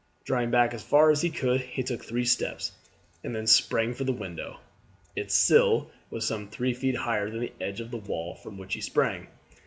Drawing back as far as he could he took three steps, and then sprang for the window. Its sill was some three feet higher than the edge of the wall from which he sprang.